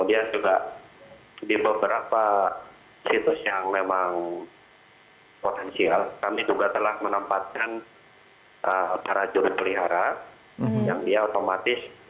dia juga di beberapa situs yang memang potensial kami juga telah menempatkan para juru pelihara yang dia otomatis